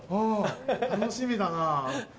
楽しみだな。